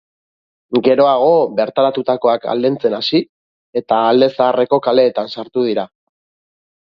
Geroago, bertaratutakoak aldentzen hasi eta alde zaharreko kaletan sartu dira.